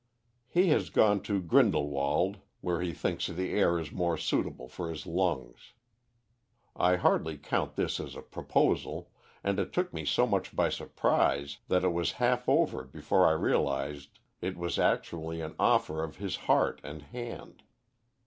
He has gone to Grindelwald, where he thinks the air is more suitable for his lungs. I hardly count this as a proposal, and it took me so much by surprise that it was half over before I realised it was actually an offer of his heart and hand.